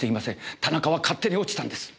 田中は勝手に落ちたんです。